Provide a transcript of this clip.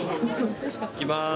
いきます。